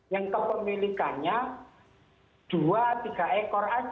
yang kepemilikannya dua tiga ekor saja